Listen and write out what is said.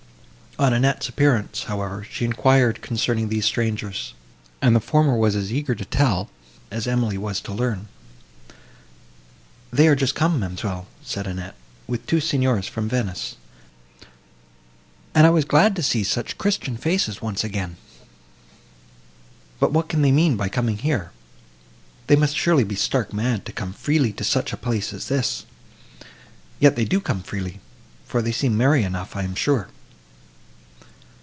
On Annette's appearance, however, she enquired, concerning these strangers; and the former was as eager to tell, as Emily was to learn. "They are just come, ma'amselle," said Annette, "with two Signors from Venice, and I was glad to see such Christian faces once again.—But what can they mean by coming here? They must surely be stark mad to come freely to such a place as this! Yet they do come freely, for they seem merry enough, I am sure."